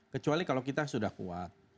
kecuali kalau kita sudah kuat